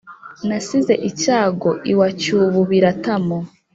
Nasize icyago iwa Cyububira-tamu*.